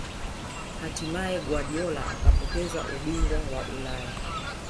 hatimaye guardiola akapoteza ubingwa wa ulaya